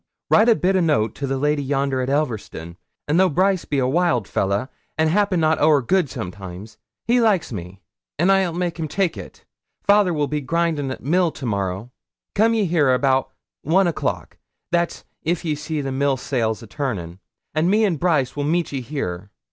Write a bit o' a note to the lady yonder at Elverston; an' though Brice be a wild fellah, and 'appen not ower good sometimes, he likes me, an' I'll make him take it. Fayther will be grindin' at mill to morrow. Coom ye here about one o'clock that's if ye see the mill sails a turnin' and me and Brice will meet ye here.